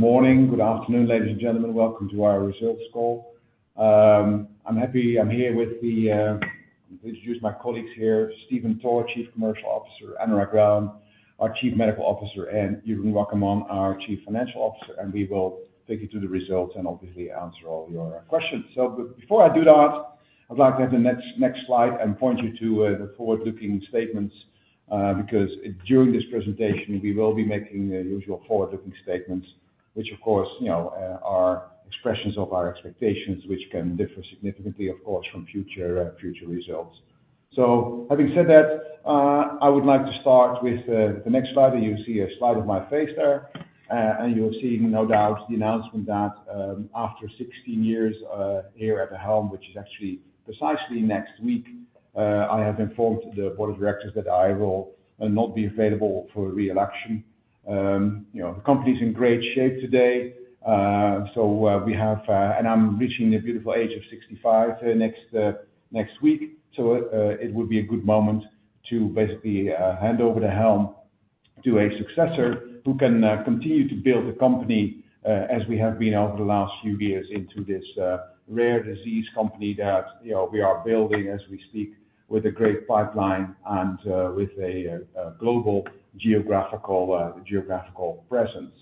...Good morning. Good afternoon, ladies and gentlemen. Welcome to our results call. I'm happy to introduce my colleagues here, Stephen Toor, Chief Commercial Officer, Anurag Relan, our Chief Medical Officer, and Jeroen Wakkerman, our Chief Financial Officer, and we will take you through the results and obviously answer all your questions. So before I do that, I'd like to have the next slide and point you to the forward-looking statements because during this presentation, we will be making the usual forward-looking statements, which, of course, you know, are expressions of our expectations, which can differ significantly, of course, from future results. So having said that, I would like to start with the next slide, and you'll see a slide of my face there. You'll see, no doubt, the announcement that, after sixteen years here at the helm, which is actually precisely next week, I have informed the board of directors that I will not be available for reelection. You know, the company's in great shape today, and I'm reaching the beautiful age of 65 next week, so it would be a good moment to basically hand over the helm to a successor who can continue to build the company as we have been over the last few years into this rare disease company that, you know, we are building as we speak, with a great pipeline and with a global geographical presence.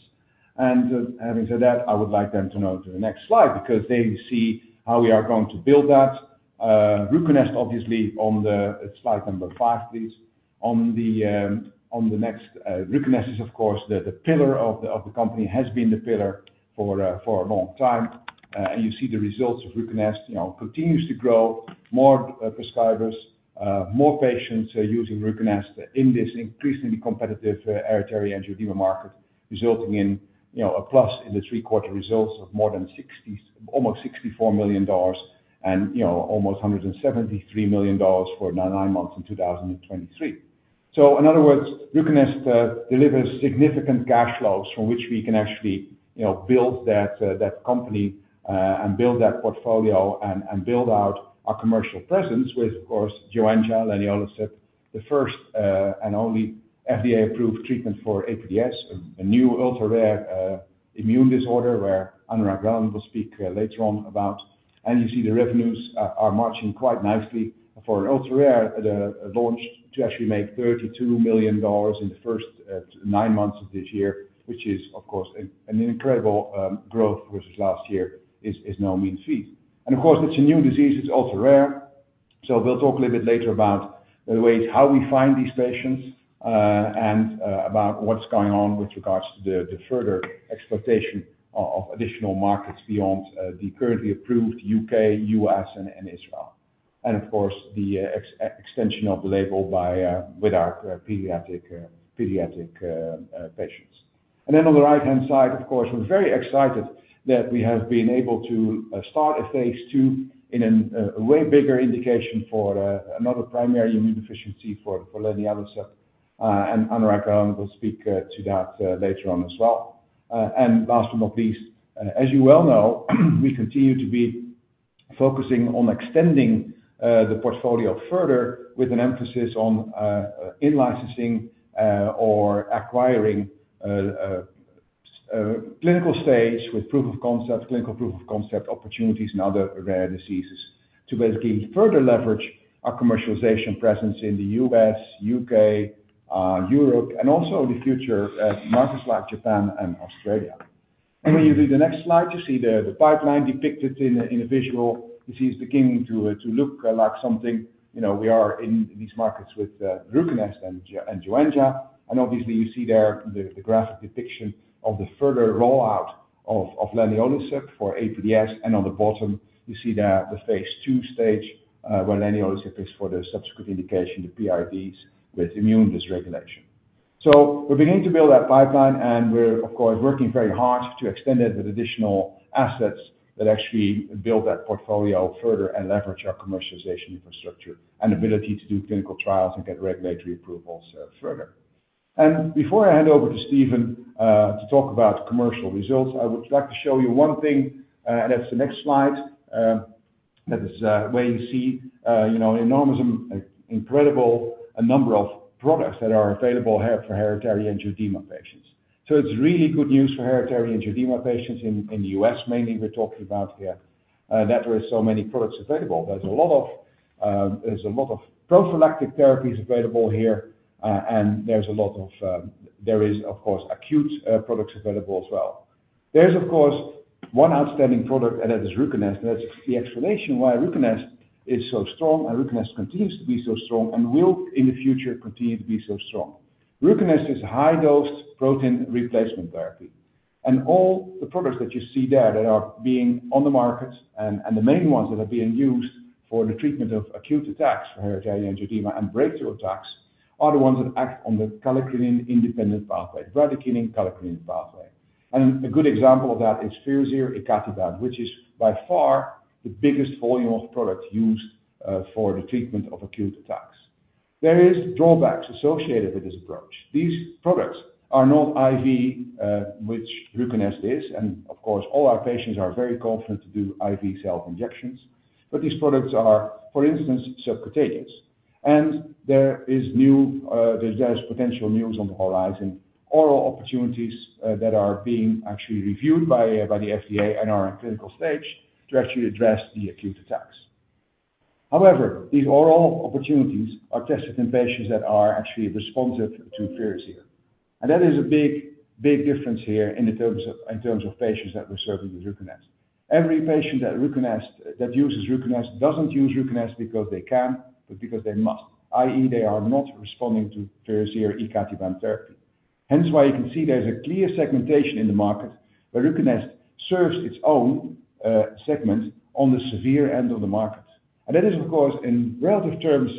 Having said that, I would like then to go to the next slide because there you see how we are going to build that. Ruconest, obviously, on the slide number five, please. On the next, Ruconest is, of course, the pillar of the company, has been the pillar for a long time. And you see the results of Ruconest, you know, continues to grow. More prescribers, more patients using Ruconest in this increasingly competitive hereditary angioedema market, resulting in, you know, a plus in the three quarter results of more than $60 million, almost $64 million, and you know, almost $173 million for nine months in 2023. So in other words, Ruconest delivers significant cash flows from which we can actually, you know, build that company and build that portfolio and build out our commercial presence with, of course, Joenja and leniolisib, the first and only FDA-approved treatment for APDS, a new ultra-rare immune disorder, where Anurag Relan will speak later on about. And you see the revenues are marching quite nicely for an ultra-rare launch to actually make $32 million in the first nine months of this year, which is, of course, an incredible growth versus last year is no mean feat. And of course, it's a new disease, it's ultra-rare. So we'll talk a little bit later about the ways, how we find these patients, and about what's going on with regards to the further exploitation of additional markets beyond the currently approved UK, US, and Israel, and of course, the extension of the label by with our pediatric patients. And then on the right-hand side, of course, we're very excited that we have been able to start a phase two in a way bigger indication for another primary immune deficiency for leniolisib, and Anurag Relan will speak to that later on as well. And last but not least, as you well know, we continue to be focusing on extending the portfolio further with an emphasis on in-licensing or acquiring clinical stage with proof of concept opportunities in other rare diseases, to basically further leverage our commercialization presence in the U.S., U.K., Europe, and also in the future markets like Japan and Australia. And when you do the next slide, you see the pipeline depicted in a visual. You see it's beginning to look like something, you know, we are in these markets with Ruconest and Joenja. And obviously, you see there the graphic depiction of the further rollout of leniolisib for APDS. On the bottom, you see the phase two stage, where leniolisib is for the subsequent indication, the PIDs with immune dysregulation. So we're beginning to build that pipeline, and we're, of course, working very hard to extend it with additional assets that actually build that portfolio further and leverage our commercialization infrastructure and ability to do clinical trials and get regulatory approvals, further. And before I hand over to Stephen, to talk about commercial results, I would like to show you one thing, and that's the next slide. That is, where you see, you know, an enormous, incredible, a number of products that are available here for hereditary angioedema patients. So it's really good news for hereditary angioedema patients in the U.S., mainly we're talking about here, that there are so many products available. There's a lot of prophylactic therapies available here, and there is, of course, acute products available as well. There's, of course, one outstanding product, and that is Ruconest. That's the explanation why Ruconest is so strong, and Ruconest continues to be so strong and will, in the future, continue to be so strong. Ruconest is a high-dose protein replacement therapy, and all the products that you see there that are being on the markets, and the main ones that are being used for the treatment of acute attacks for hereditary angioedema and breakthrough attacks, are the ones that act on the kallikrein-kinin pathway, bradykinin kallikrein pathway. A good example of that is Firazyr icatibant, which is by far the biggest volume of product used for the treatment of acute attacks. There is drawbacks associated with this approach. These products are not IV, which Ruconest is, and of course, all our patients are very confident to do IV self injections, but these products are, for instance, subcutaneous. There is new, there's potential news on the horizon, oral opportunities, that are being actually reviewed by the FDA and are in clinical stage to actually address the acute attacks. However, these oral opportunities are tested in patients that are actually responsive to Firazyr. That is a big, big difference here in the terms of patients that we're serving with Ruconest. Every patient that uses Ruconest doesn't use Ruconest because they can, but because they must, i.e., they are not responding to Firazyr or Icatibant therapy. Hence, why you can see there's a clear segmentation in the market, where Ruconest serves its own segment on the severe end of the market. And that is, of course, in relative terms,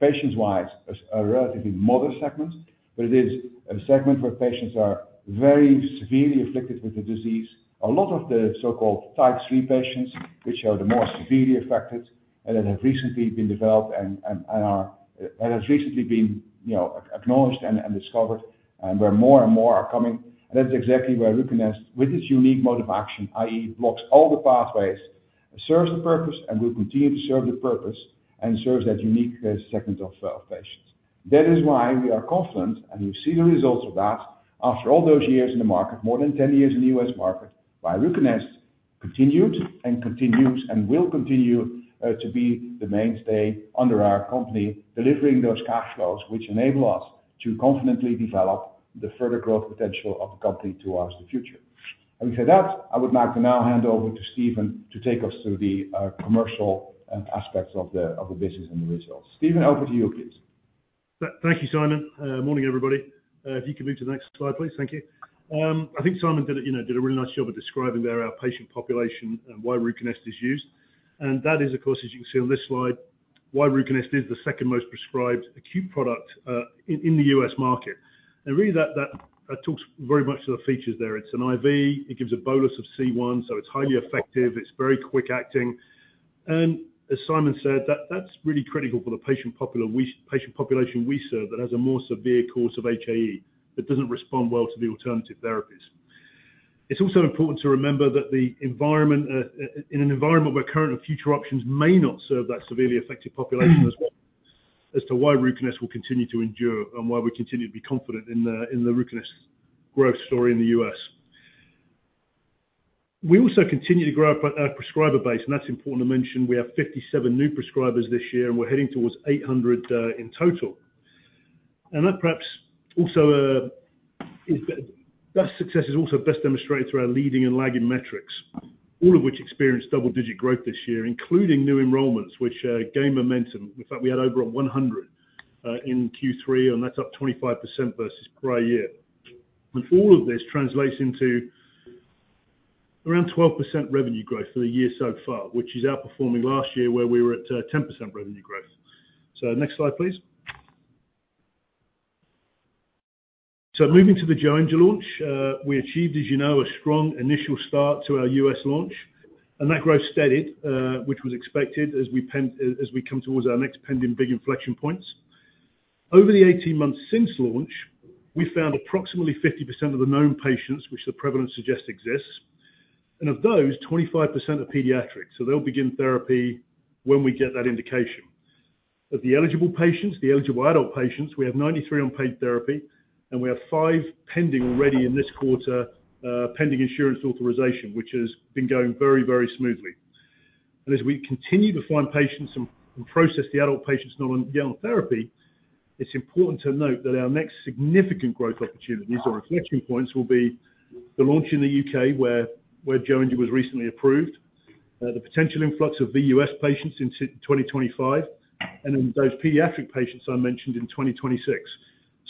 patients-wise, as a relatively modest segment, but it is a segment where patients are very severely afflicted with the disease. A lot of the so-called type three patients, which are the most severely affected and that have recently been developed and has recently been, you know, acknowledged and discovered, and where more and more are coming. And that's exactly where Ruconest, with its unique mode of action, i.e., blocks all the pathways, serves the purpose, and will continue to serve the purpose, and serves that unique segment of patients. That is why we are confident, and you see the results of that, after all those years in the market, more than ten years in the U.S. market, why Ruconest continued and continues and will continue to be the mainstay under our company, delivering those cash flows, which enable us to confidently develop the further growth potential of the company towards the future. And with that, I would like to now hand over to Stephen to take us through the commercial aspects of the business and the results. Stephen, over to you, please. Thank you, Sijmen. Morning, everybody. If you can move to the next slide, please. Thank you. I think Sijmen did, you know, a really nice job of describing there our patient population and why Ruconest is used. And that is, of course, as you can see on this slide, why Ruconest is the second most prescribed acute product in the U.S. market. And really, that talks very much to the features there. It's an IV, it gives a bolus of C1, so it's highly effective, it's very quick acting. And as Sijmen said, that's really critical for the patient population we serve, that has a more severe course of HAE, that doesn't respond well to the alternative therapies. It's also important to remember that the environment, in an environment where current and future options may not serve that severely affected population as well, as to why Ruconest will continue to endure and why we continue to be confident in the, in the Ruconest growth story in the U.S. We also continue to grow our, prescriber base, and that's important to mention. We have 57 new prescribers this year, and we're heading towards 800, in total. And that perhaps also, is that success is also best demonstrated through our leading and lagging metrics, all of which experienced double-digit growth this year, including new enrollments, which, gained momentum. In fact, we had over 100, in Q3, and that's up 25% versus prior year. All of this translates into around 12% revenue growth for the year so far, which is outperforming last year, where we were at 10% revenue growth. Next slide, please. Moving to the Joenja launch, we achieved, as you know, a strong initial start to our U.S. launch, and that growth steadied, which was expected as we come towards our next pending big inflection points. Over the 18 months since launch, we found approximately 50% of the known patients, which the prevalence suggests exists, and of those, 25% are pediatric. So they'll begin therapy when we get that indication. Of the eligible patients, the eligible adult patients, we have 93 on paid therapy, and we have five pending already in this quarter, pending insurance authorization, which has been going very, very smoothly. And as we continue to find patients and process the adult patients not on therapy, it's important to note that our next significant growth opportunities or inflection points will be the launch in the U.K., where Joenja was recently approved, the potential influx of the U.S. patients in twenty twenty-five, and then those pediatric patients I mentioned in twenty twenty-six.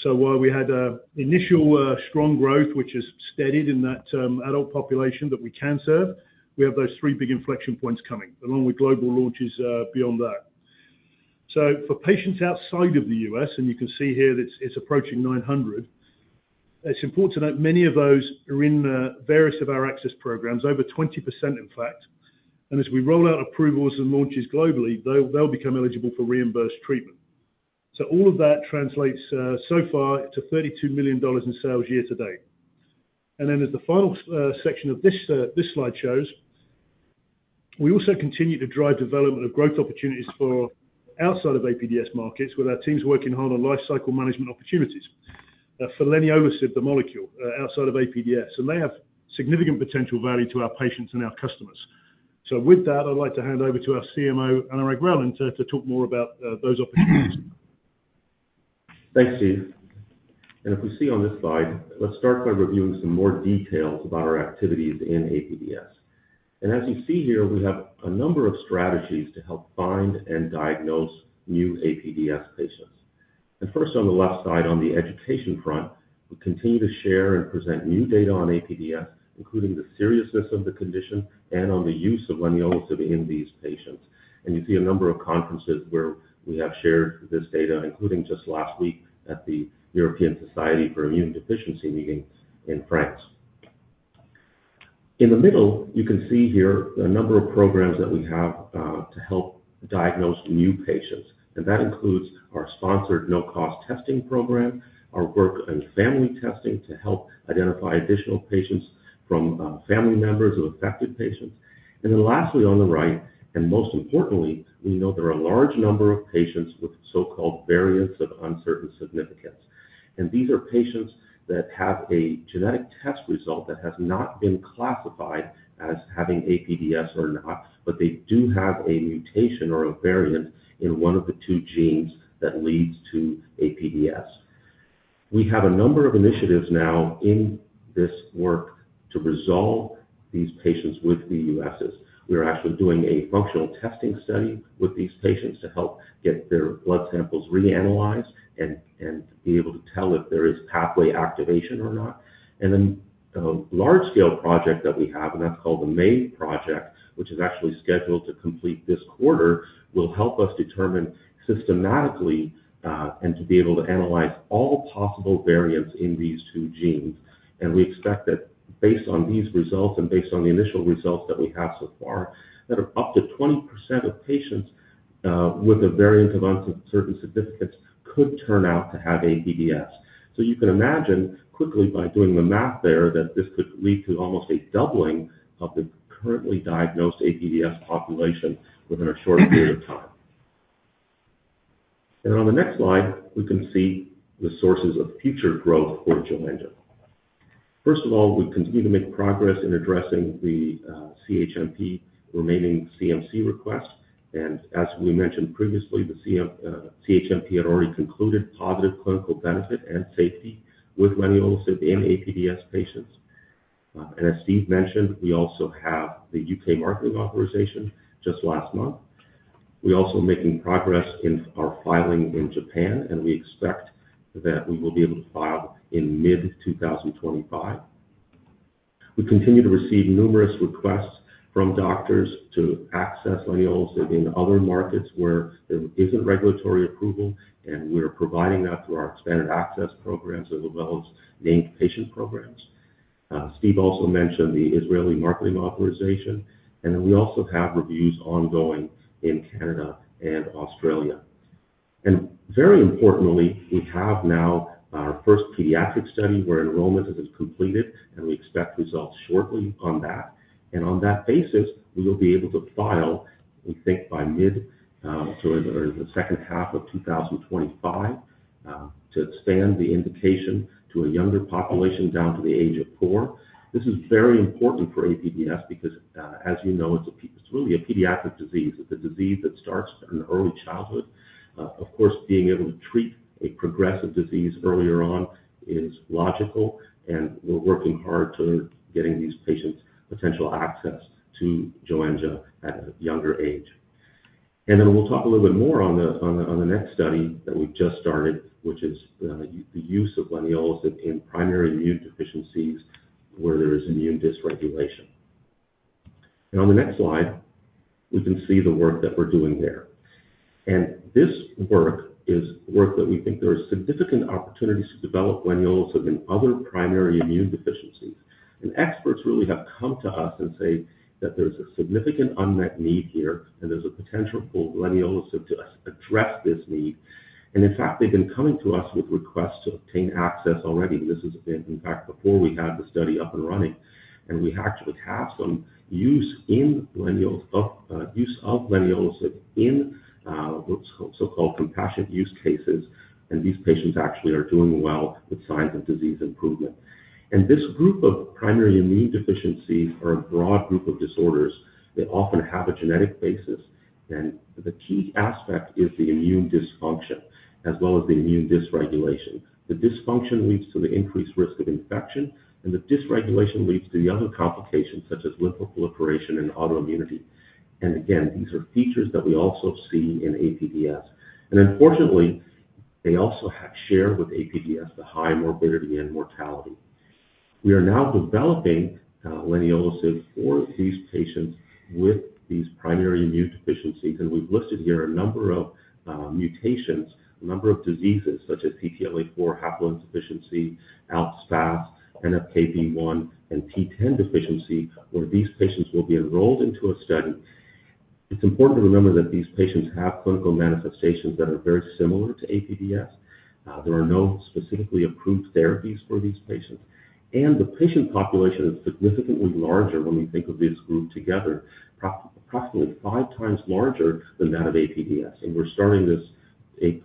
So while we had initial strong growth, which has steadied in that adult population that we can serve, we have those three big inflection points coming, along with global launches beyond that. So for patients outside of the U.S., and you can see here that it's approaching 900, it's important to note many of those are in various of our access programs, over 20%, in fact. As we roll out approvals and launches globally, they'll become eligible for reimbursed treatment. All of that translates so far to $32 million in sales year to date. Then as the final section of this slide shows, we also continue to drive development of growth opportunities for outside of APDS markets, with our teams working hard on lifecycle management opportunities. For leniolisib, the molecule, outside of APDS, and they have significant potential value to our patients and our customers. With that, I'd like to hand over to our CMO, Anurag Relan, to talk more about those opportunities. Thanks, Steve. And if we see on this slide, let's start by reviewing some more details about our activities in APDS. And as you see here, we have a number of strategies to help find and diagnose new APDS patients. And first, on the left side, on the education front, we continue to share and present new data on APDS, including the seriousness of the condition and on the use of leniolisib in these patients. And you see a number of conferences where we have shared this data, including just last week at the European Society for Immune Deficiency meeting in France. In the middle, you can see here the number of programs that we have to help diagnose new patients, and that includes our sponsored no-cost testing program, our work on family testing to help identify additional patients from family members of affected patients. Then lastly, on the right, and most importantly, we know there are a large number of patients with so-called variants of uncertain significance. These are patients that have a genetic test result that has not been classified as having APDS or not, but they do have a mutation or a variant in one of the two genes that leads to APDS. We have a number of initiatives now in this work to resolve these patients with VUSs. We are actually doing a functional testing study with these patients to help get their blood samples reanalyzed and be able to tell if there is pathway activation or not. Then a large-scale project that we have, and that's called the MAY project, which is actually scheduled to complete this quarter, will help us determine systematically, and to be able to analyze all possible variants in these two genes. We expect that based on these results and based on the initial results that we have so far, that up to 20% of patients with a variant of uncertain significance could turn out to have APDS. You can imagine quickly by doing the math there, that this could lead to almost a doubling of the currently diagnosed APDS population within a short period of time. On the next slide, we can see the sources of future growth for Joenja. First of all, we continue to make progress in addressing the CHMP remaining CMC request. As we mentioned previously, the CHMP had already concluded positive clinical benefit and safety with leniolisib in APDS patients. As Steve mentioned, we also have the U.K. marketing authorization just last month. We're also making progress in our filing in Japan, and we expect that we will be able to file in mid-2025. We continue to receive numerous requests from doctors to access leniolisib in other markets where there isn't regulatory approval, and we are providing that through our expanded access programs as well as named patient programs. Steve also mentioned the Israeli marketing authorization, and then we also have reviews ongoing in Canada and Australia. Very importantly, we have now our first pediatric study, where enrollment is completed, and we expect results shortly on that. And on that basis, we will be able to file, we think, by mid or the second half of 2025 to expand the indication to a younger population down to the age of four. This is very important for APDS because, as you know, it's really a pediatric disease. It's a disease that starts in early childhood. Of course, being able to treat a progressive disease earlier on is logical, and we're working hard to getting these patients potential access to Joenja at a younger age. And then we'll talk a little bit more on the next study that we've just started, which is the use of leniolisib in primary immune deficiencies where there is immune dysregulation. And on the next slide, we can see the work that we're doing there. And this work is work that we think there are significant opportunities to develop leniolisib in other primary immune deficiencies. Experts really have come to us and say that there's a significant unmet need here, and there's a potential for leniolisib to address this need. In fact, they've been coming to us with requests to obtain access already. This has been, in fact, before we had the study up and running, and we actually have some use of leniolisib in so-called compassionate use cases, and these patients actually are doing well with signs of disease improvement. This group of primary immune deficiencies are a broad group of disorders. They often have a genetic basis, and the key aspect is the immune dysfunction as well as the immune dysregulation. The dysfunction leads to the increased risk of infection, and the dysregulation leads to other complications such as lymphoproliferation and autoimmunity. And again, these are features that we also see in APDS. And unfortunately, they also share with APDS the high morbidity and mortality. We are now developing leniolisib for these patients with these primary immunodeficiencies, and we've listed here a number of mutations, a number of diseases such as CTLA-4 haploinsufficiency, ALPS-FAS, NFKB1, and PTEN deficiency, where these patients will be enrolled into a study. It's important to remember that these patients have clinical manifestations that are very similar to APDS. There are no specifically approved therapies for these patients, and the patient population is significantly larger when we think of this group together, approximately five times larger than that of APDS. We're starting this, a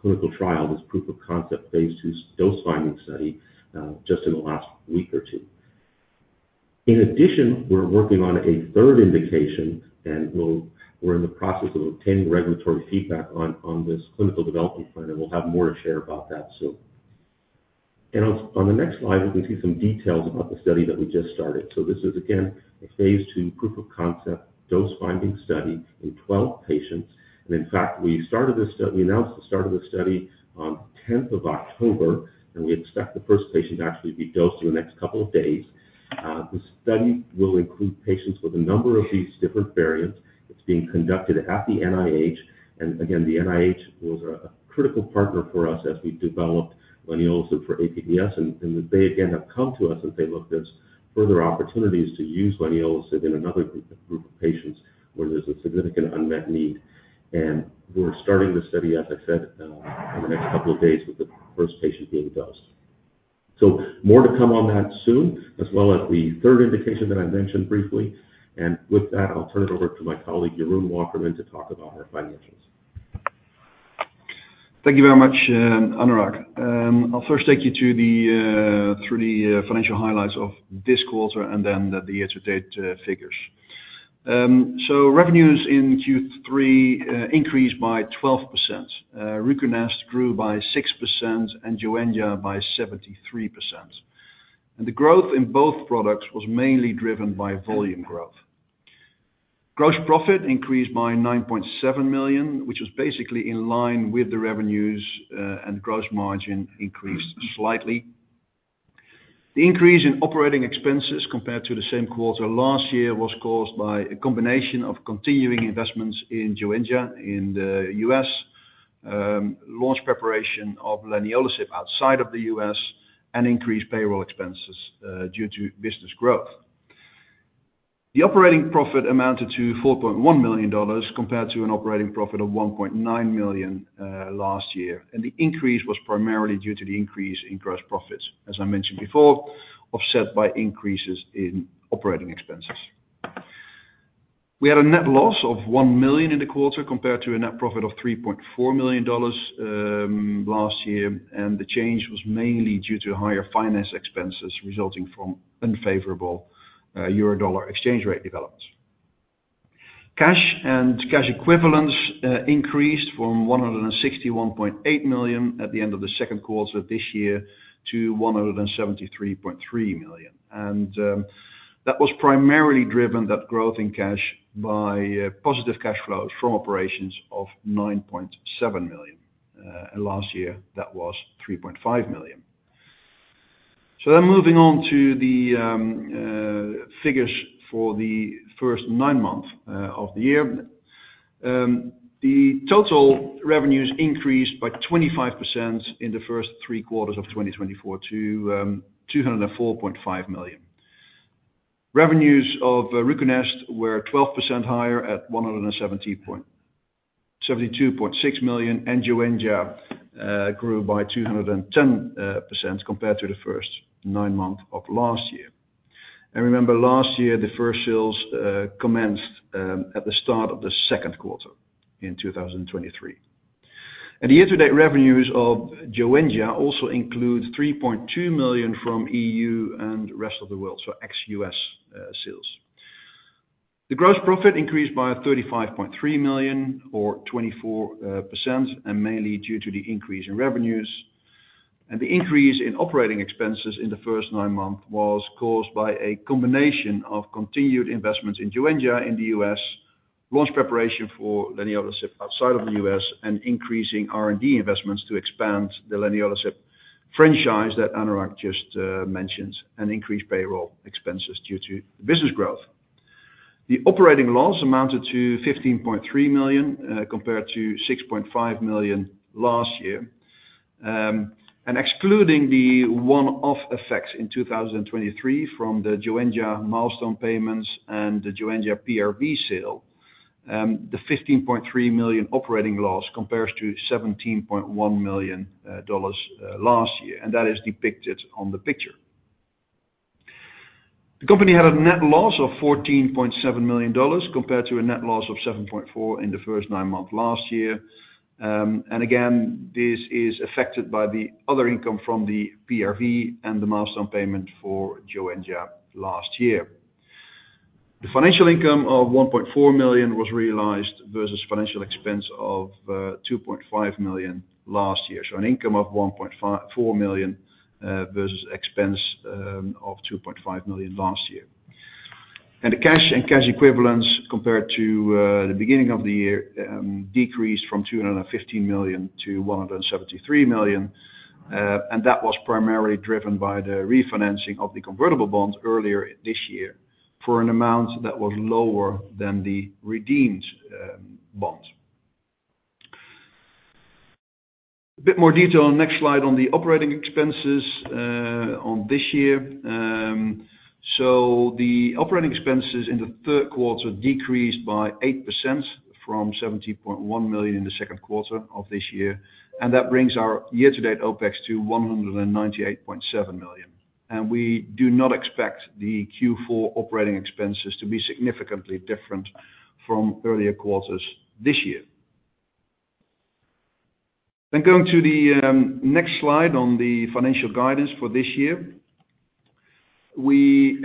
clinical trial, this proof of concept, phase 2 dose-finding study, just in the last week or two. In addition, we're working on a third indication, and we're in the process of obtaining regulatory feedback on this clinical development plan, and we'll have more to share about that soon. On the next slide, we can see some details about the study that we just started. This is, again, a phase 2 proof of concept, dose-finding study in 12 patients. In fact, we announced the start of the study on the tenth of October, and we expect the first patient to actually be dosed in the next couple of days. The study will include patients with a number of these different variants. It's being conducted at the NIH. Again, the NIH was a critical partner for us as we developed leniolisib for APDS, and they, again, have come to us as they looked at further opportunities to use leniolisib in another group of patients where there's a significant unmet need. We're starting this study, as I said, in the next couple of days, with the first patient being dosed... More to come on that soon, as well as the third indication that I mentioned briefly. With that, I'll turn it over to my colleague, Jeroen Wakkerman, to talk about our financials. Thank you very much, Anurag. I'll first take you through the financial highlights of this quarter and then the year-to-date figures. So revenues in Q3 increased by 12%. Ruconest grew by 6% and Joenja by 73%. And the growth in both products was mainly driven by volume growth. Gross profit increased by 9.7 million, which was basically in line with the revenues and gross margin increased slightly. The increase in operating expenses compared to the same quarter last year was caused by a combination of continuing investments in Joenja in the U.S., launch preparation of leniolisib outside of the U.S., and increased payroll expenses due to business growth. The operating profit amounted to $4.1 million, compared to an operating profit of $1.9 million last year, and the increase was primarily due to the increase in gross profits. As I mentioned before, offset by increases in operating expenses. We had a net loss of $1 million in the quarter, compared to a net profit of $3.4 million last year, and the change was mainly due to higher finance expenses resulting from unfavorable euro/dollar exchange rate developments. Cash and cash equivalents increased from $161.8 million at the end of the second quarter this year to $173.3 million. That was primarily driven, that growth in cash, by positive cash flows from operations of $9.7 million. And last year, that was 3.5 million. So then moving on to the figures for the first nine months of the year. The total revenues increased by 25% in the first three quarters of 2024 to 204.5 million. Revenues of Ruconest were 12% higher at 172.6 million, and Joenja grew by 210% compared to the first nine months of last year. And remember, last year, the first sales commenced at the start of the second quarter in 2023. And the year-to-date revenues of Joenja also include 3.2 million from EU and rest of the world, so ex-US sales. The gross profit increased by $35.3 million, or 24%, and mainly due to the increase in revenues. And the increase in operating expenses in the first nine months was caused by a combination of continued investments in Joenja in the US, launch preparation for leniolisib outside of the US, and increasing R&D investments to expand the leniolisib franchise that Anurag just mentioned, and increased payroll expenses due to business growth. The operating loss amounted to $15.3 million compared to $6.5 million last year. And excluding the one-off effects in 2023 from the Joenja milestone payments and the Joenja PRV sale, the $15.3 million operating loss compares to $17.1 million dollars last year, and that is depicted on the picture. The company had a net loss of $14.7 million compared to a net loss of $7.4 million in the first nine months last year. And again, this is affected by the other income from the PRV and the milestone payment for Joenja last year. The financial income of $1.4 million was realized versus financial expense of $2.5 million last year. So an income of $1.4 million versus expense of $2.5 million last year. And the cash and cash equivalents, compared to the beginning of the year, decreased from $215 million to $173 million, and that was primarily driven by the refinancing of the convertible bonds earlier this year for an amount that was lower than the redeemed bond. A bit more detail on next slide on the operating expenses on this year. So the operating expenses in the third quarter decreased by 8% from $17.1 million in the second quarter of this year, and that brings our year-to-date OpEx to $198.7 million. And we do not expect the Q4 operating expenses to be significantly different from earlier quarters this year. Then going to the next slide on the financial guidance for this year. We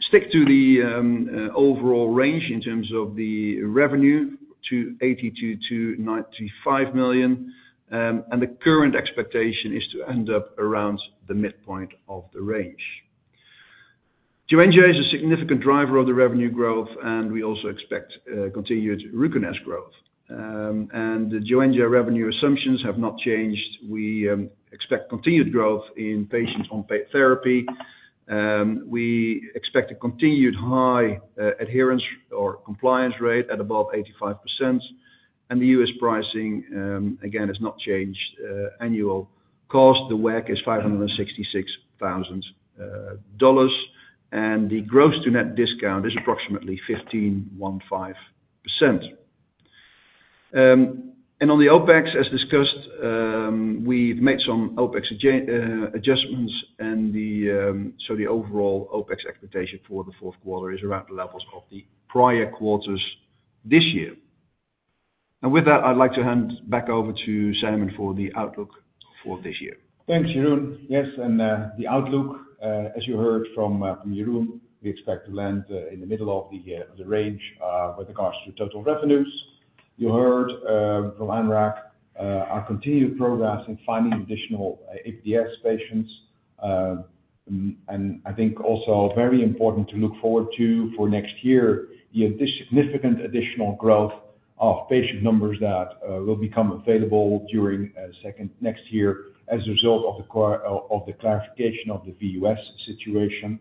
stick to the overall range in terms of the revenue to $82 million-$95 million, and the current expectation is to end up around the midpoint of the range. Joenja is a significant driver of the revenue growth, and we also expect continued Ruconest growth. And the Joenja revenue assumptions have not changed. We expect continued growth in patients on therapy. We expect a continued high adherence or compliance rate at above 85%. And the US pricing, again, has not changed. Annual cost, the WAC, is $566,000, and the gross to net discount is approximately 15%. And on the OpEx, as discussed, we've made some OpEx adjustments, and so the overall OpEx expectation for the fourth quarter is around the levels of the prior quarters this year. And with that, I'd like to hand back over to Sijmen for the outlook for this year. Thanks, Jeroen. Yes, and the outlook, as you heard from Jeroen, we expect to land in the middle of the range with regards to total revenues. You heard from Anurag our continued progress in finding additional APDS patients. And I think also very important to look forward to for next year, the significant additional growth of patient numbers that will become available during second next year as a result of the clarification of the VUS situation.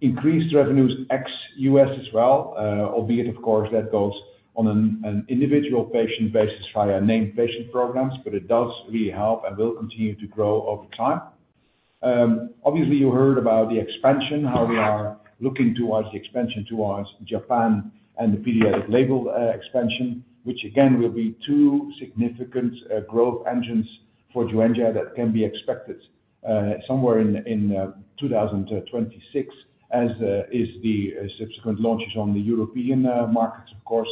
Increased revenues ex-US as well, albeit of course that goes on an individual patient basis via named patient programs, but it does really help and will continue to grow over time. Obviously, you heard about the expansion, how we are looking towards the expansion towards Japan and the pediatric label expansion, which again will be two significant growth engines for Joenja that can be expected somewhere in 2026, as is the subsequent launches on the European markets, of course.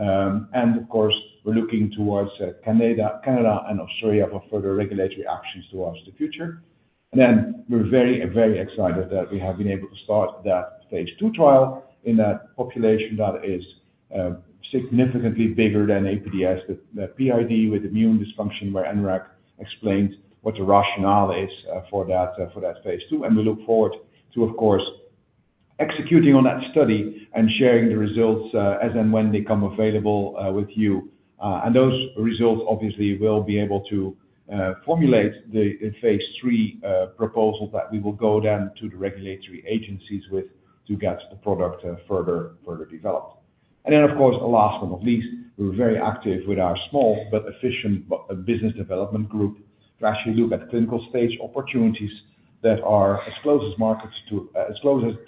And of course, we're looking towards Canada and Australia for further regulatory actions towards the future. Then we're very, very excited that we have been able to start that phase II trial in a population that is significantly bigger than APDS, the PID with immune dysfunction, where Anurag explained what the rationale is for that phase II. We look forward to, of course, executing on that study and sharing the results, as and when they become available, with you. Those results obviously will be able to formulate the phase III proposal that we will go then to the regulatory agencies with, to get the product further developed. Then, of course, the last but not least, we're very active with our small but efficient business development group, to actually look at clinical stage opportunities that are as close to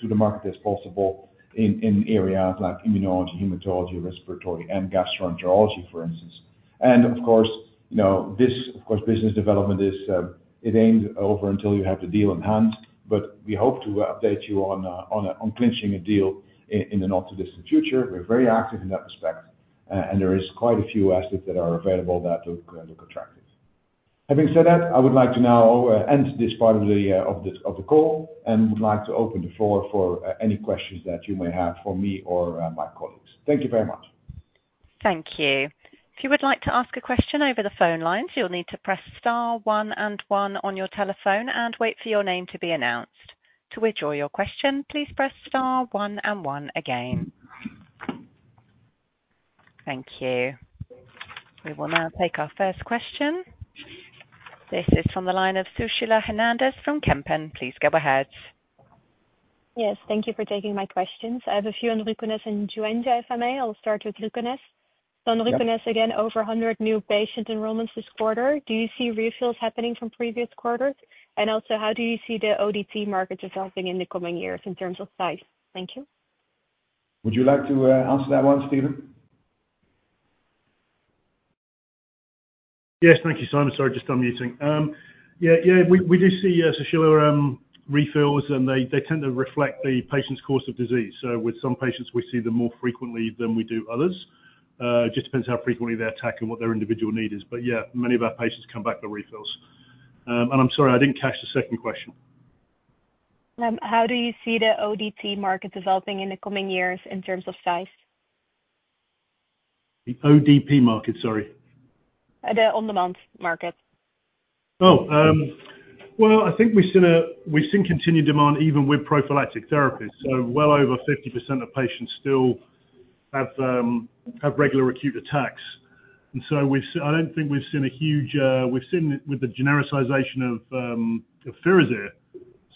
the market as possible in areas like immunology, hematology, respiratory, and gastroenterology, for instance. And of course, you know, this, of course, business development is it ain't over until you have the deal in hand, but we hope to update you on clinching a deal in the not-too-distant future. We're very active in that respect, and there is quite a few assets that are available that look attractive. Having said that, I would like to now end this part of the call and would like to open the floor for any questions that you may have for me or my colleagues. Thank you very much. Thank you. If you would like to ask a question over the phone lines, you'll need to press star one and one on your telephone and wait for your name to be announced. To withdraw your question, please press star one and one again. Thank you. We will now take our first question. This is from the line of Sushila Hernandez from Kempen. Please go ahead. Yes, thank you for taking my questions. I have a few on Ruconest and Joenja, if I may. I'll start with Ruconest. On Ruconest, again, over one hundred new patient enrollments this quarter. Do you see refills happening from previous quarters? And also, how do you see the ODT market developing in the coming years in terms of size? Thank you. Would you like to answer that one, Stephen? Yes, thank you, Sijmen. Sorry, just unmuting. Yeah, we do see, Sushila, refills, and they tend to reflect the patient's course of disease. So with some patients, we see them more frequently than we do others. It just depends how frequently they attack and what their individual need is. But yeah, many of our patients come back for refills. And I'm sorry, I didn't catch the second question. How do you see the ODT market developing in the coming years in terms of size? The ODT market, sorry. The on-demand market. I think we've seen continued demand even with prophylactic therapies, so well over 50% of patients still have regular acute attacks. I don't think we've seen a huge decline. We've seen with the genericization of Firazyr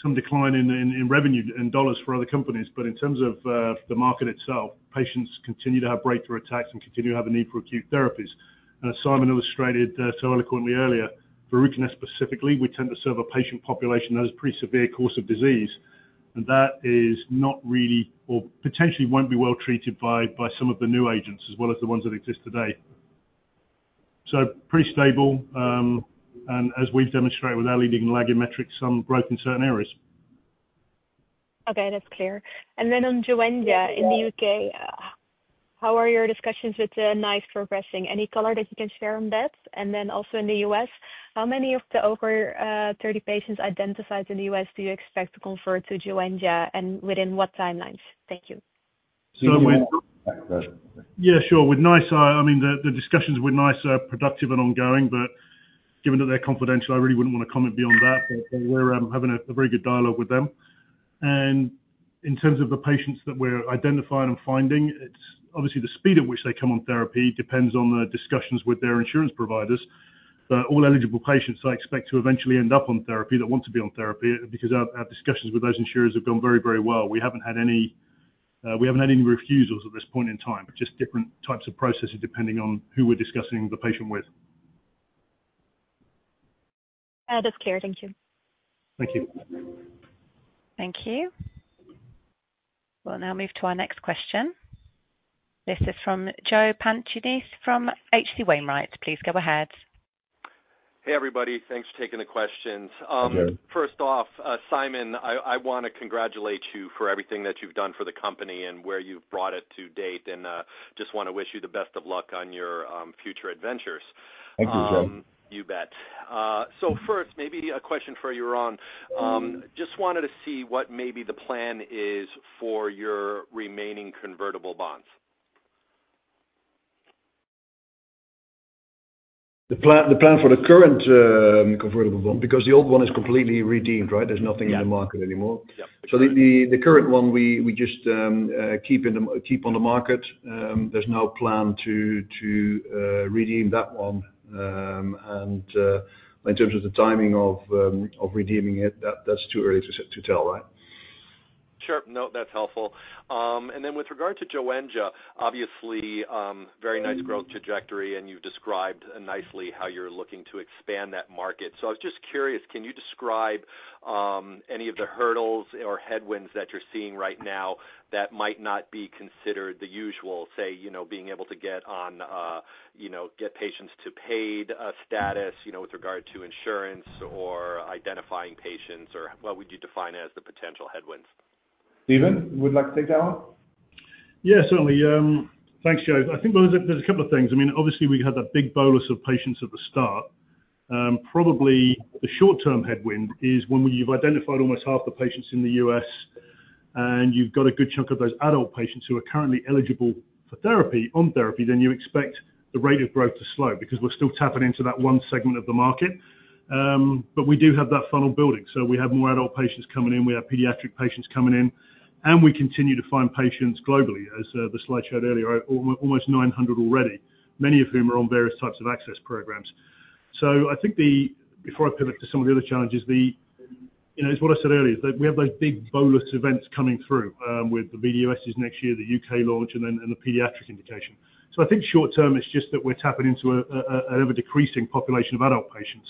some decline in revenue in dollars for other companies. In terms of the market itself, patients continue to have breakthrough attacks and continue to have a need for acute therapies. As Simon illustrated so eloquently earlier, for Ruconest specifically, we tend to serve a patient population that has a pretty severe course of disease, and that is not really, or potentially won't be well treated by some of the new agents, as well as the ones that exist today. Pretty stable, and as we've demonstrated with our leading lagging metrics, some growth in certain areas. Okay, that's clear. And then on Joenja in the U.K., how are your discussions with the NICE progressing? Any color that you can share on that? And then also in the U.S., how many of the over thirty patients identified in the U.S. do you expect to convert to Joenja, and within what timelines? Thank you. So when-... Yeah, sure. With NICE, I mean, the discussions with NICE are productive and ongoing, but given that they're confidential, I really wouldn't want to comment beyond that, but we're having a very good dialogue with them, and in terms of the patients that we're identifying and finding, it's obviously the speed at which they come on therapy depends on the discussions with their insurance providers, but all eligible patients, I expect to eventually end up on therapy, that want to be on therapy, because our discussions with those insurers have gone very, very well. We haven't had any refusals at this point in time, just different types of processes, depending on who we're discussing the patient with.... That's clear. Thank you. Thank you. Thank you. We'll now move to our next question. This is from Joe Pantginis from H.C. Wainwright. Please go ahead. Hey, everybody. Thanks for taking the questions. Okay. First off, Sijmen, I wanna congratulate you for everything that you've done for the company and where you've brought it to date, and just wanna wish you the best of luck on your future adventures. Thank you, Joe. You bet. So first, maybe a question for Jeroen. Just wanted to see what maybe the plan is for your remaining convertible bonds. The plan for the current convertible bond, because the old one is completely redeemed, right? There's nothing- Yeah... in the market anymore. Yeah. So the current one, we just keep on the market. There's no plan to redeem that one. And in terms of the timing of redeeming it, that's too early to tell, right? Sure. No, that's helpful. And then with regard to Joenja, obviously, very nice growth trajectory, and you've described nicely how you're looking to expand that market. So I was just curious, can you describe any of the hurdles or headwinds that you're seeing right now that might not be considered the usual, say, you know, being able to get on, you know, get patients to paid status, you know, with regard to insurance or identifying patients, or what would you define as the potential headwinds? Stephen, would you like to take that one? Yeah, certainly. Thanks, Joe. I think there's a couple of things. I mean, obviously, we had that big bolus of patients at the start. Probably the short-term headwind is when you've identified almost half the patients in the US, and you've got a good chunk of those adult patients who are currently eligible for therapy, on therapy, then you expect the rate of growth to slow, because we're still tapping into that one segment of the market. But we do have that funnel building, so we have more adult patients coming in, we have pediatric patients coming in, and we continue to find patients globally, as the slide showed earlier, almost nine hundred already, many of whom are on various types of access programs. So I think the... Before I pivot to some of the other challenges, you know, it's what I said earlier, is that we have those big bolus events coming through with the FDA's next year, the UK launch, and then the pediatric indication. So I think short term, it's just that we're tapping into an ever-decreasing population of adult patients.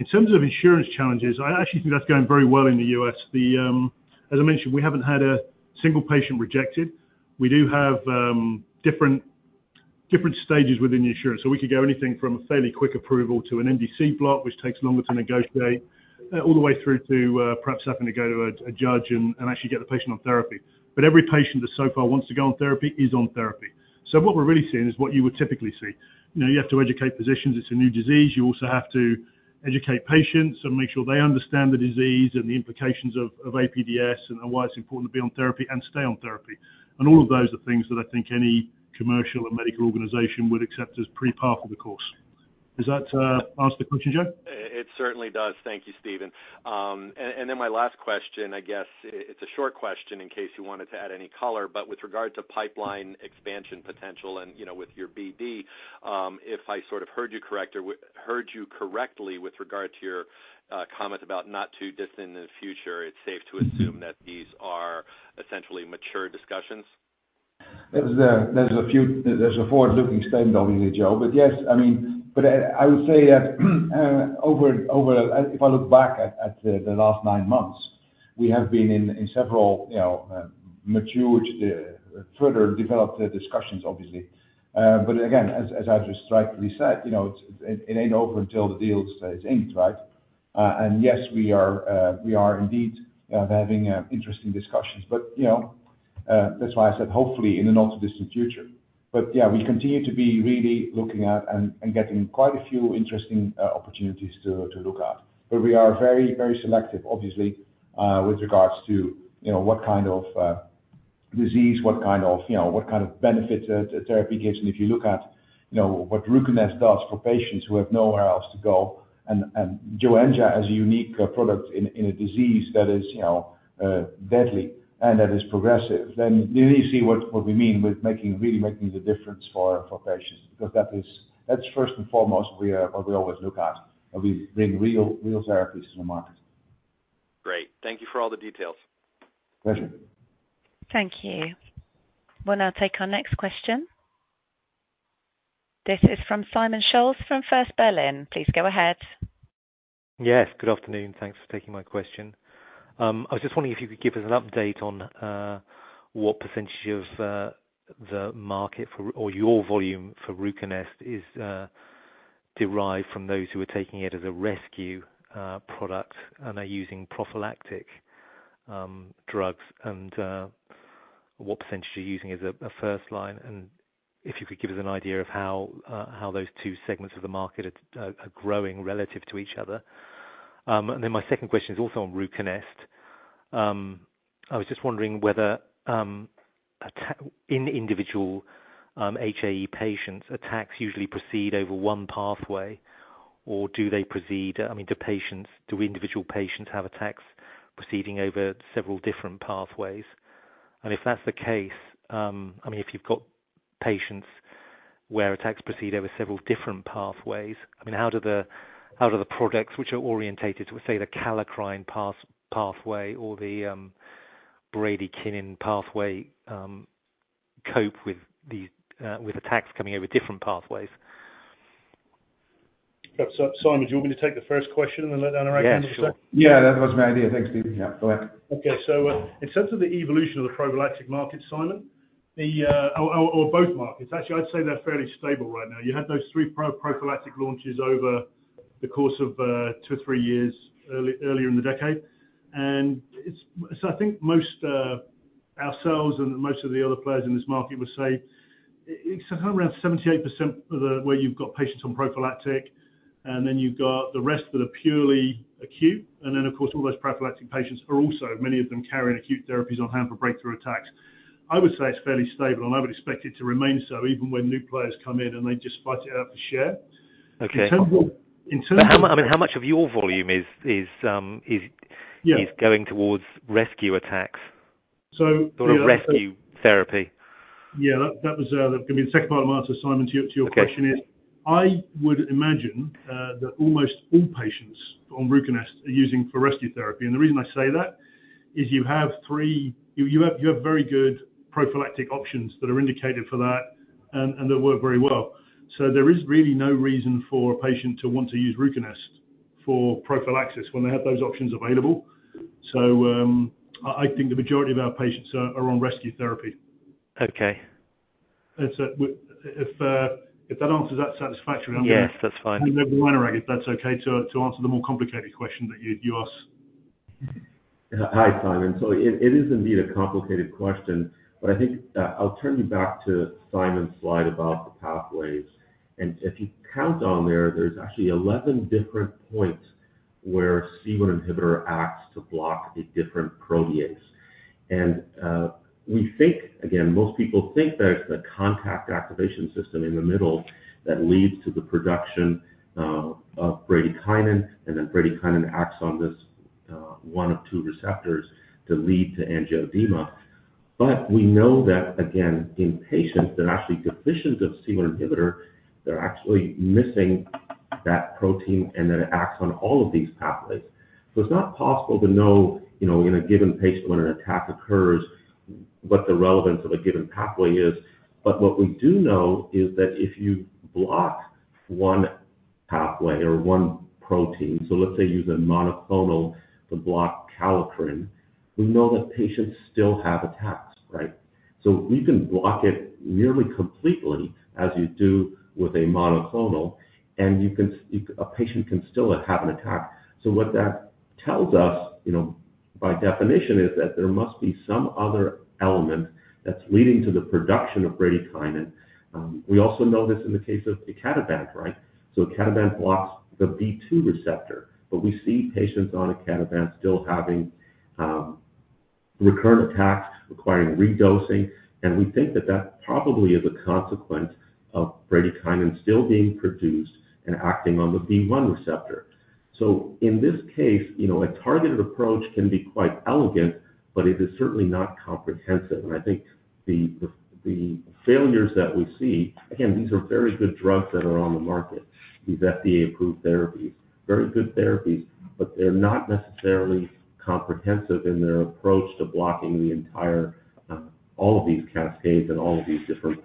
In terms of insurance challenges, I actually think that's going very well in the US. As I mentioned, we haven't had a single patient rejected. We do have different stages within the insurance. So we could go anything from a fairly quick approval to an NDC block, which takes longer to negotiate, all the way through to perhaps having to go to a judge and actually get the patient on therapy. But every patient that so far wants to go on therapy is on therapy. So what we're really seeing is what you would typically see. You know, you have to educate physicians. It's a new disease. You also have to educate patients and make sure they understand the disease and the implications of APDS and why it's important to be on therapy and stay on therapy. And all of those are things that I think any commercial or medical organization would accept as pretty par for the course. Does that answer the question, Joe? It certainly does. Thank you, Stephen. And then my last question, I guess, it's a short question, in case you wanted to add any color, but with regard to pipeline expansion potential and, you know, with your BD, if I sort of heard you correctly with regard to your comment about not too distant in the future, it's safe to assume that these are essentially mature discussions? There's a forward-looking statement, obviously, Joe. But yes, I mean, but I would say that over... If I look back at the last nine months, we have been in several, you know, matured further developed discussions, obviously. But again, as Anurag recently said, you know, it ain't over until the deal is inked, right? And yes, we are indeed having interesting discussions, but you know, that's why I said, hopefully, in the not-too-distant future. But yeah, we continue to be really looking at and getting quite a few interesting opportunities to look at. But we are very, very selective, obviously, with regards to, you know, what kind of disease, what kind of benefit a therapy gives. And if you look at, you know, what Ruconest does for patients who have nowhere else to go, and Joenja is a unique product in a disease that is deadly and that is progressive, then you really see what we mean with making really the difference for patients. Because that is first and foremost what we always look at, and we bring real therapies to the market. Great. Thank you for all the details. Pleasure. Thank you. We'll now take our next question. This is from Simon Scholes, from First Berlin. Please go ahead. Yes, good afternoon. Thanks for taking my question. I was just wondering if you could give us an update on what percentage of the market for, or your volume for Ruconest is derived from those who are taking it as a rescue product and are using prophylactic drugs, and what percentage are you using as a first line. And if you could give us an idea of how those two segments of the market are growing relative to each other. And then my second question is also on Ruconest. I was just wondering whether in individual HAE patients, attacks usually proceed over one pathway, or do they proceed. I mean, do patients, do individual patients have attacks proceeding over several different pathways? If that's the case, I mean, if you've got patients where attacks proceed over several different pathways, I mean, how do the products which are oriented to, say, the kallikrein pathway or the bradykinin pathway?... cope with the attacks coming over different pathways? So, Sijmen, do you want me to take the first question and then let Anurag answer the second? Yeah, sure. Yeah, that was my idea. Thanks, Steve. Yeah, go ahead. Okay. In terms of the evolution of the prophylactic market, Sijmen, or both markets, actually, I'd say they're fairly stable right now. You had those three prophylactic launches over the course of two or three years earlier in the decade. So I think most ourselves and most of the other players in this market would say it's around 78% of the way you've got patients on prophylactic, and then you've got the rest that are purely acute. And then, of course, all those prophylactic patients are also, many of them, carrying acute therapies on hand for breakthrough attacks. I would say it's fairly stable, and I would expect it to remain so even when new players come in, so they just fight it out for share. Okay. In terms of But how, I mean, how much of your volume is Yeah... is going towards rescue attacks? So- Or rescue therapy. Yeah, that was gonna be the second part of my answer, Simon, to your question is- Okay. I would imagine that almost all patients on Ruconest are using for rescue therapy. And the reason I say that is you have three. You have very good prophylactic options that are indicated for that and that work very well. So there is really no reason for a patient to want to use Ruconest for prophylaxis when they have those options available. I think the majority of our patients are on rescue therapy. Okay. It's if that answers that satisfactorily? Yes, that's fine. Maybe Anurag, if that's okay, to answer the more complicated question that you asked. Hi, Simon. So it is indeed a complicated question, but I think I'll turn you back to Simon's slide about the pathways. And if you count on there, there's actually 11 different points where C1 inhibitor acts to block the different proteases. And we think, again, most people think that it's the contact activation system in the middle that leads to the production of bradykinin, and then bradykinin acts on this one of two receptors to lead to angioedema. But we know that, again, in patients that are actually deficient of C1 inhibitor, they're actually missing that protein, and then it acts on all of these pathways. So it's not possible to know, you know, in a given patient when an attack occurs, what the relevance of a given pathway is. But what we do know is that if you block one pathway or one protein, so let's say use a monoclonal to block kallikrein, we know that patients still have attacks, right? So we can block it nearly completely, as you do with a monoclonal, and a patient can still have an attack. So what that tells us, you know, by definition, is that there must be some other element that's leading to the production of bradykinin. We also know this in the case of icatibant, right? So icatibant blocks the B2 receptor, but we see patients on icatibant still having recurrent attacks requiring redosing, and we think that that probably is a consequence of bradykinin still being produced and acting on the B1 receptor. So in this case, you know, a targeted approach can be quite elegant, but it is certainly not comprehensive. I think the failures that we see, again, these are very good drugs that are on the market, these FDA-approved therapies. Very good therapies, but they're not necessarily comprehensive in their approach to blocking the entire all of these cascades and all of these different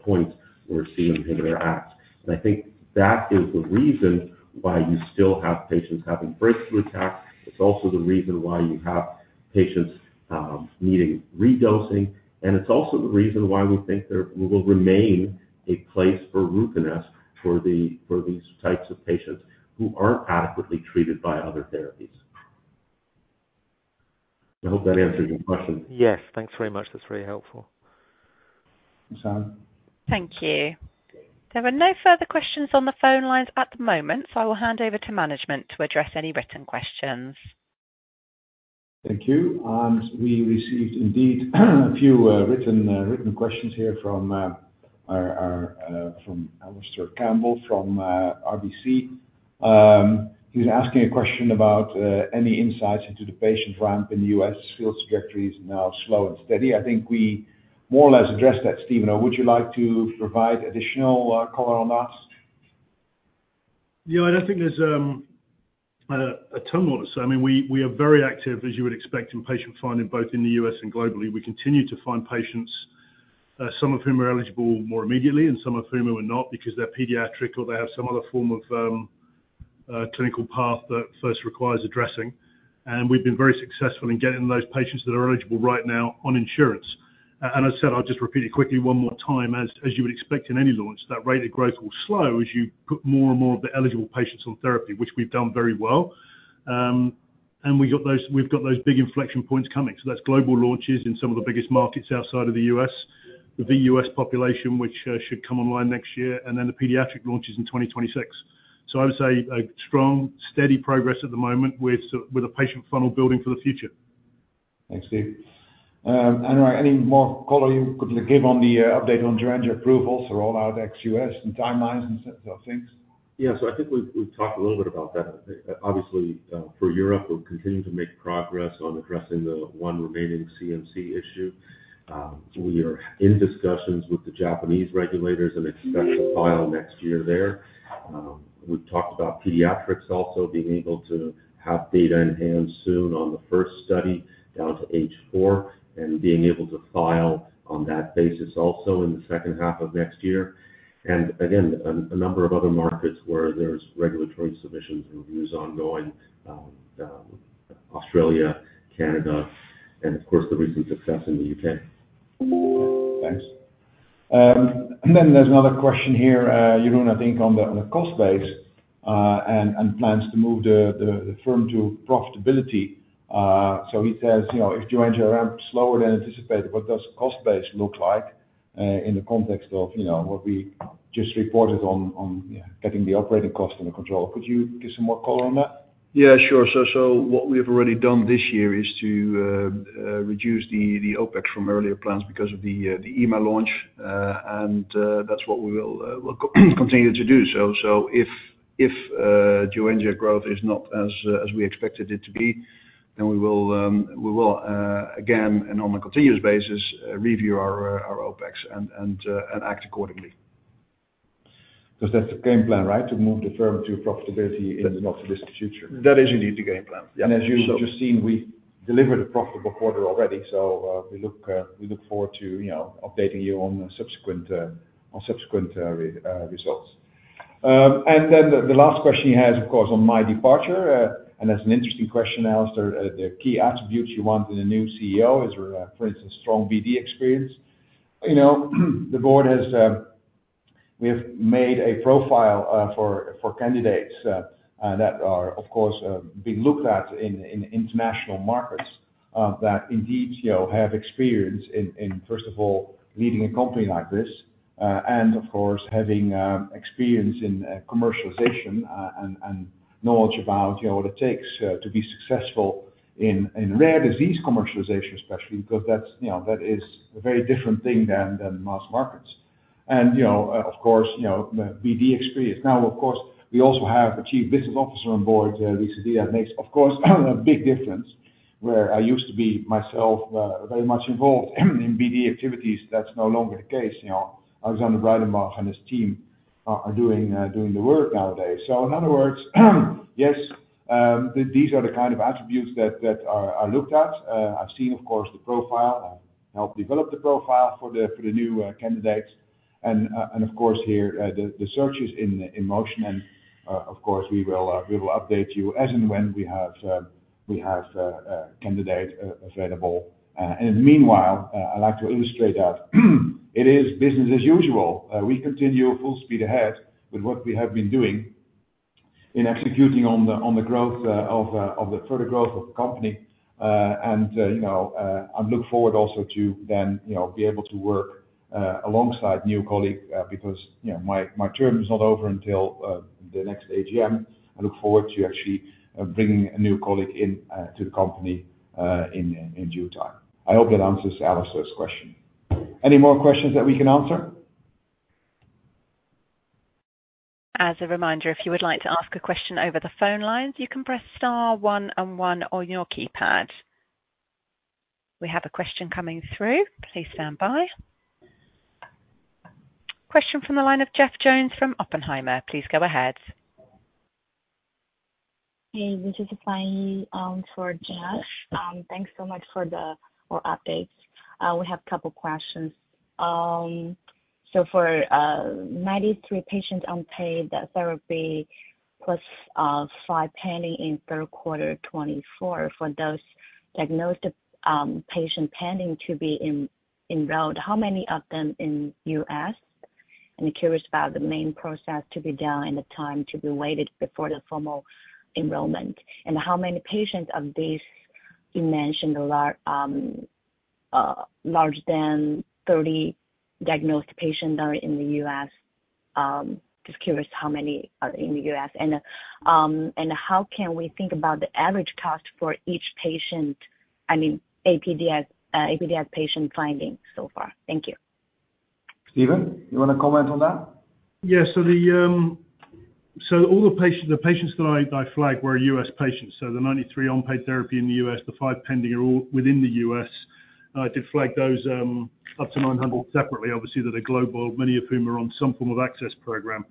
points where C1 inhibitor acts. I think that is the reason why you still have patients having breakthrough attacks. It's also the reason why you have patients needing redosing. It's also the reason why we think there will remain a place for Ruconest for these types of patients who aren't adequately treated by other therapies. I hope that answers your question. Yes. Thanks very much. That's very helpful. Thanks, Simon. Thank you. There are no further questions on the phone lines at the moment, so I will hand over to management to address any written questions. Thank you. We received indeed a few written questions here from Alistair Campbell from RBC. He's asking a question about any insights into the patient ramp in the U.S. field strategies now, slow and steady. I think we more or less addressed that. Steve, would you like to provide additional color on that? Yeah, I don't think there's a ton more to say. I mean, we are very active, as you would expect, in patient finding, both in the U.S. and globally. We continue to find patients, some of whom are eligible more immediately and some of whom are not because they're pediatric or they have some other form of clinical path that first requires addressing, and we've been very successful in getting those patients that are eligible right now on insurance, and I said, I'll just repeat it quickly one more time. As you would expect in any launch, that rate of growth will slow as you put more and more of the eligible patients on therapy, which we've done very well, and we've got those big inflection points coming. So that's global launches in some of the biggest markets outside of the U.S., the U.S. population, which should come online next year, and then the pediatric launches in twenty twenty-six. So I would say a strong, steady progress at the moment with the patient funnel building for the future. Thanks, Steve. Anurag, any more color you could give on the update on Joenja approval for rollout ex-U.S. and timelines and so, those things? Yes, I think we've talked a little bit about that. Obviously, for Europe, we're continuing to make progress on addressing the one remaining CMC issue. We are in discussions with the Japanese regulators and expect to file next year there. We've talked about pediatrics also being able to have data in hand soon on the first study.... down to H four, and being able to file on that basis also in the second half of next year. And again, a number of other markets where there's regulatory submissions and reviews ongoing, Australia, Canada, and of course, the recent success in the UK. Thanks. Then there's another question here, Jeroen, I think on the cost base, and plans to move the firm to profitability. So he says, "You know, if Joenja ramps slower than anticipated, what does cost base look like, in the context of, you know, what we just reported on, getting the operating costs under control?" Could you give some more color on that? Yeah, sure. So, what we have already done this year is to reduce the OpEx from earlier plans because of the EMA launch, and that's what we will continue to do. So, if Joenja growth is not as we expected it to be, then we will again, and on a continuous basis, review our OpEx and act accordingly. Because that's the game plan, right? To move the firm to profitability in the not too distant future. That is indeed the game plan. Yeah. As you've just seen, we delivered a profitable quarter already, so we look forward to, you know, updating you on the subsequent results. Then the last question he has, of course, on my departure, and that's an interesting question, Alistair. The key attributes you want in a new CEO is, for instance, strong BD experience. You know, the board has... We have made a profile for candidates that are, of course, being looked at in international markets that indeed, you know, have experience in first of all, leading a company like this, and of course, having experience in commercialization, and knowledge about, you know, what it takes to be successful in rare disease commercialization, especially, because that's, you know, that is a very different thing than mass markets. And you know, of course, you know, the BD experience. Now, of course, we also have a chief business officer on board, Lisa Dia, makes, of course, a big difference, where I used to be myself very much involved in BD activities. That's no longer the case, you know. Alexander Breidenbach and his team are doing the work nowadays. So in other words, yes, these are the kind of attributes that are looked at. I've seen, of course, the profile. I helped develop the profile for the new candidates. And of course, here, the search is in motion. And of course, we will update you as and when we have a candidate available. And in the meanwhile, I'd like to illustrate that it is business as usual. We continue full speed ahead with what we have been doing in executing on the growth of the further growth of the company. You know, I look forward also to then, you know, be able to work alongside new colleague, because, you know, my term is not over until the next AGM. I look forward to actually bringing a new colleague in to the company in due time. I hope that answers Alistair's question. Any more questions that we can answer? As a reminder, if you would like to ask a question over the phone lines, you can press star one and one on your keypad. We have a question coming through. Please stand by. Question from the line of Jeff Jones from Oppenheimer. Please go ahead. Hey, this is Yai for Jeff. Thanks so much for your updates. We have a couple questions. So for 93 patients on paid therapy, plus 5 pending in third quarter 2024, for those diagnosed patients pending to be enrolled, how many of them in U.S.? I'm curious about the main process to be done and the time to be waited before the formal enrollment. And how many patients of these you mentioned are larger than 30 diagnosed patients are in the U.S.? Just curious how many are in the U.S. And how can we think about the average cost for each patient, I mean, APDS patient finding so far? Thank you. Stephen, you want to comment on that? Yeah. So all the patients that I flagged were U.S. patients, so the ninety-three on paid therapy in the U.S., the five pending, are all within the U.S. I did flag those up to 900 separately. Obviously, they're global, many of whom are on some form of access program.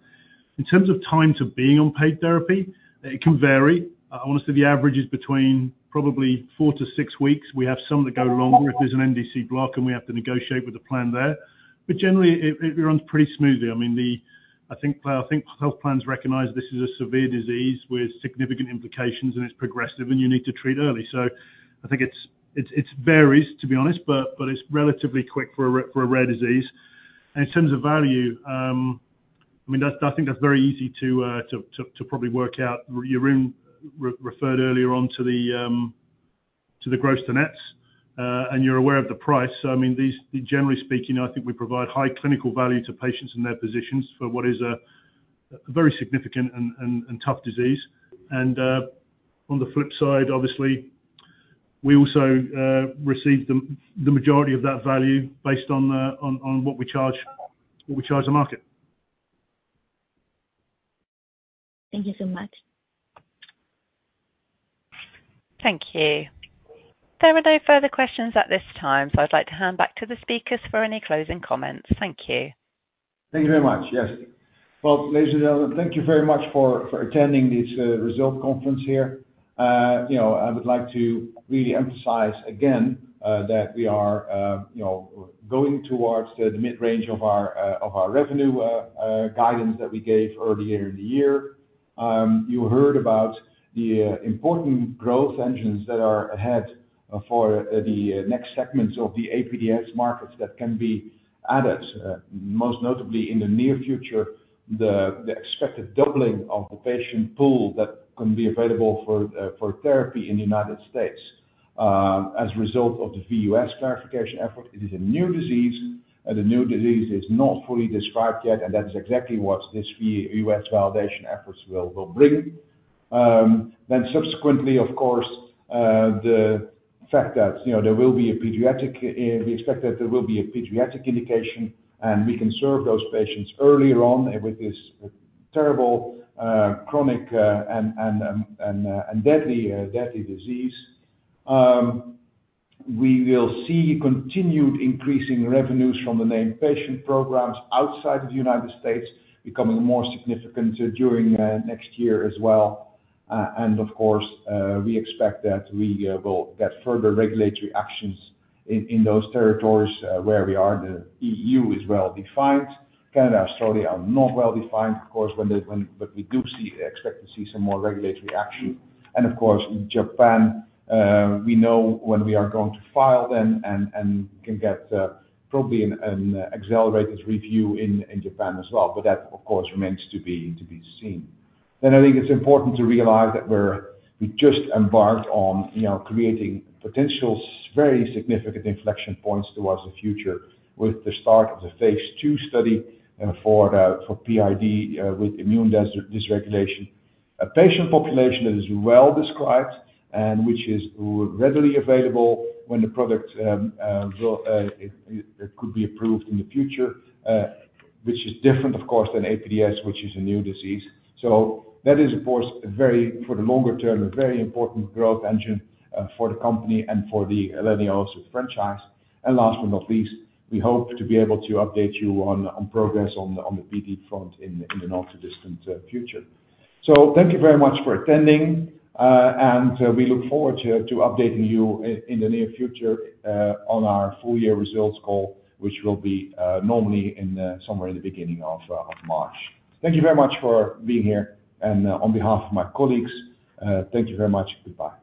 In terms of time to being on paid therapy, it can vary. Honestly, the average is between probably four to six weeks. We have some that go longer if there's an NDC block and we have to negotiate with the plan there, but generally it runs pretty smoothly. I mean, I think health plans recognize this is a severe disease with significant implications, and it's progressive, and you need to treat early. So I think it varies, to be honest, but it's relatively quick for a rare disease. And in terms of value, I mean, that's, I think, very easy to probably work out. Jeroen referred earlier on to the gross to nets, and you're aware of the price. So I mean, these... Generally speaking, I think we provide high clinical value to patients and their physicians for what is a very significant and tough disease. And on the flip side, obviously, we also receive the majority of that value based on what we charge the market. Thank you so much. Thank you. There are no further questions at this time, so I'd like to hand back to the speakers for any closing comments. Thank you.... Thank you very much. Yes. Well, ladies and gentlemen, thank you very much for attending this results conference here. You know, I would like to really emphasize again that we are, you know, going towards the mid-range of our revenue guidance that we gave earlier in the year. You heard about the important growth engines that are ahead for the next segments of the APDS markets that can be added, most notably in the near future, the expected doubling of the patient pool that can be available for therapy in the United States. As a result of the VUS clarification effort, it is a new disease, and a new disease is not fully described yet, and that is exactly what this VUS validation efforts will bring. Then subsequently, of course, the fact that, you know, there will be a pediatric indication, and we can serve those patients early on with this terrible chronic and deadly disease. We will see continued increasing revenues from the named patient programs outside of the United States, becoming more significant during next year as well. And of course, we expect that we will get further regulatory actions in those territories where we are. The EU is well-defined. Canada, Australia are not well-defined, of course, but we do expect to see some more regulatory action. Of course, in Japan, we know when we are going to file then and can get probably an accelerated review in Japan as well. That, of course, remains to be seen. I think it's important to realize that we just embarked on, you know, creating potential very significant inflection points towards the future with the start of the phase two study for PID with immune dysregulation. A patient population that is well-described and which is readily available when the product will, it could be approved in the future, which is different, of course, than APDS, which is a new disease. That is, of course, a very, for the longer term, a very important growth engine for the company and for the leniolisib franchise. And last but not least, we hope to be able to update you on progress on the PID front in the not-too-distant future. So thank you very much for attending, and we look forward to updating you in the near future on our full year results call, which will be normally in somewhere in the beginning of March. Thank you very much for being here, and on behalf of my colleagues, thank you very much. Goodbye.